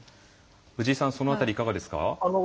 藤井さんその辺りいかがですか？